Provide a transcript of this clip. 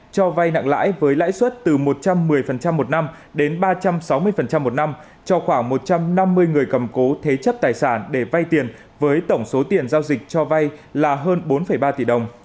cho vay nặng lãi với lãi suất từ một trăm một mươi một năm đến ba trăm sáu mươi một năm cho khoảng một trăm năm mươi người cầm cố thế chấp tài sản để vay tiền với tổng số tiền giao dịch cho vay là hơn bốn ba tỷ đồng